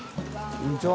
こんにちは。